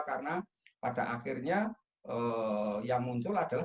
karena pada akhirnya yang muncul adalah